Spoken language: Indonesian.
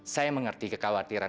saya mengerti kekawatan